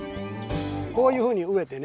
こういうふうに植えてね。